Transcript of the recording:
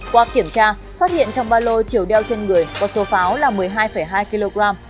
qua kiểm tra phát hiện trong ba lô chiều đeo trên người có số pháo là một mươi hai hai kg